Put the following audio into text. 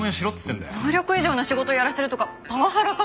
能力以上の仕事をやらせるとかパワハラかと。